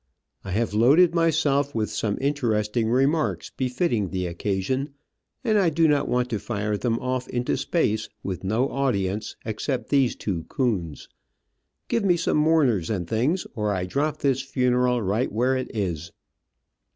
I have loaded myself with some interesting remarks befitting the occasion, and I do not want to fire them off into space, with no audience except these two coons. Give me some mourners and things, or I drop this funeral right where it is."